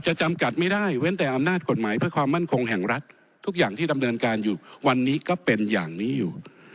จำกัดไม่ได้เว้นแต่อำนาจกฎหมายเพื่อความมั่นคงแห่งรัฐทุกอย่างที่ดำเนินการอยู่วันนี้ก็เป็นอย่างนี้อยู่